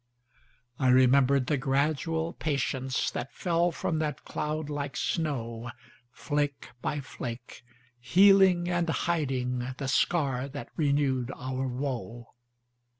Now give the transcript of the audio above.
I remembered the gradual patienceThat fell from that cloud like snow, Flake by flake, healing and hidingThe scar that renewed our woe.